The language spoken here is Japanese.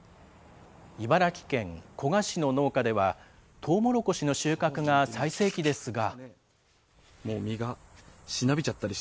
茨城県古河市の農家では、トウモロコシの収穫が最盛期ですが。